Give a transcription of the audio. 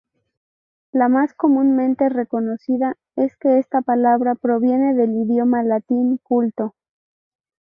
La más comúnmente reconocida es que esta palabra proviene del idioma latín culto.